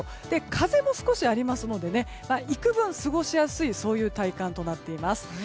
風も少しありますので幾分過ごしやすいそういう体感となっています。